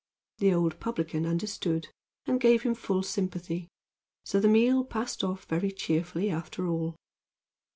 The old publican understood, and gave him full sympathy; so the meal passed off very cheerfully after all.